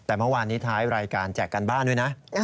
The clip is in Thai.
แต่เมื่อวานนี้ท้ายรายการแจกการบ้านด้วยนะ